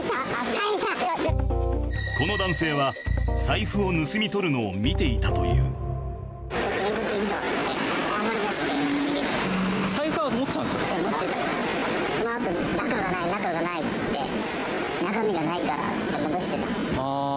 この男性は財布を盗み取るのを見ていたという「中がない」っつって。